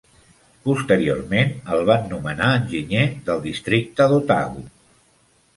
Posteriorment el van nomenar enginyer del districte d'Otago.